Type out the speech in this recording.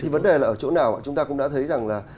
vấn đề là ở chỗ nào chúng ta cũng đã thấy rằng là